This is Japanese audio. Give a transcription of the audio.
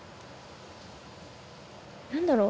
何だろう